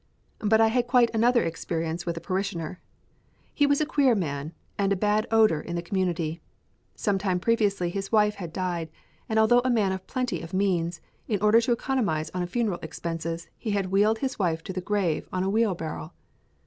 But I had quite another experience with a parishioner. He was a queer man, and in bad odour in the community. Some time previously his wife had died, and although a man of plenty of means, in order to economise on funeral expenses, he had wheeled his wife to the grave on a wheelbarrow.